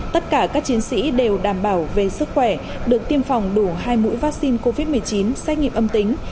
tất cả các chiến sĩ đều đảm bảo về sức khỏe được tiêm phòng đủ hai mũi vaccine covid một mươi chín xét nghiệm âm tính